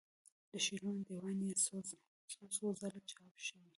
د شعرونو دیوان یې څو څو ځله چاپ شوی.